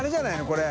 これ。